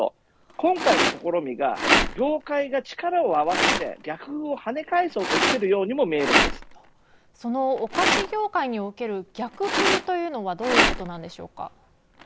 今回の試みが業界が力を合わせて逆風を跳ね返そうとそのお菓子業界における逆風というのはどういうことなんでしょうか。